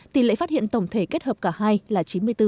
tỷ lệ phát hiện tổng thể kết hợp cả hai là chín mươi bốn